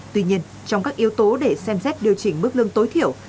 tuy nhiên trong các yếu tố để xem xét điều chỉnh mức lương tối thiểu